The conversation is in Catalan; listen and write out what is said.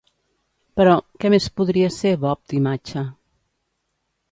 Però, què més podria ser Bodbh i Macha?